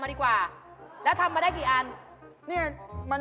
แป้งที่ร้าน